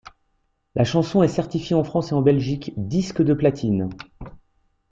La chanson est certifiée en France et en Belgique disque de platine.